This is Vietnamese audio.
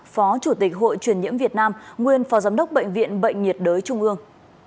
phó chủ tịch hội truyền nhiễm việt nam nguyên phó giám đốc bệnh viện bệnh nhiệt đới trung ương